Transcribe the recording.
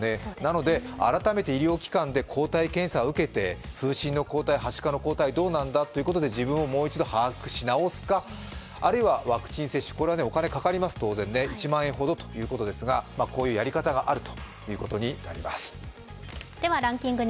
なので改めて医療機関で抗体検査を受けて、風疹の抗体、はしかの抗体、どうなんだっていうことで自分をもう一度、把握し直すかあるいはワクチン接種、これは当然お金がかかります、１万円ほどということですがこういうやり方があるということになります。